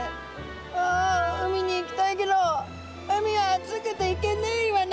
「あ海に行きたいけど海は熱くて行けねえイワナ」。